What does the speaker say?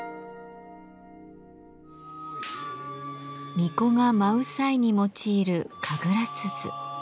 巫女が舞う際に用いる神楽鈴。